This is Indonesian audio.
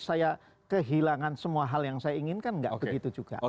saya kehilangan semua hal yang saya inginkan nggak begitu juga